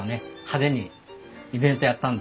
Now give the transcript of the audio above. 派手にイベントやったんです。